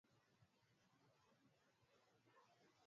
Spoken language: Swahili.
andaa Sufuria dogo kwaajili ya kupikia viazi lishe